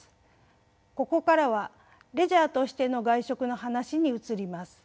ここからはレジャーとしての外食の話に移ります。